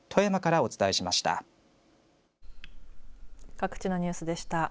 各地のニュースでした。